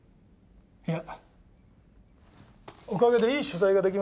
いやおかげでいい取材ができました。